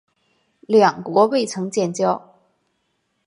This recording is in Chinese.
两国未曾建交。